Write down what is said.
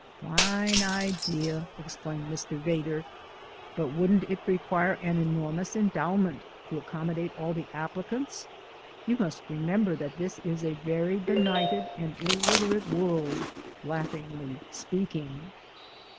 "Fine idea!" exclaimed Mr. Vedder; "but wouldn't it require an enormous endowment to accommodate all the applicants? You must remember that this is a very benighted and illiterate world, laughingly speaking."